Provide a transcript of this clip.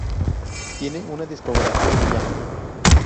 Tiene una discografía muy amplia.